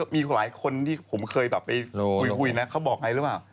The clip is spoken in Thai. มีหลายคนที่ผมเคยแบบไปคุยนะเขาบอกไงหรือเปล่า